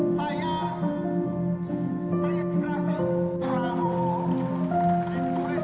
saya mengucapkan kepada bapak ramomo semalam